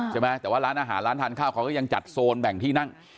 ใช่ไหมแต่ว่าร้านอาหารร้านทานข้าวเขาก็ยังจัดโซนแบ่งที่นั่ง